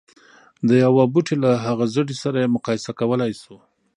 د يوه بوټي له هغه زړي سره يې مقايسه کولای شو.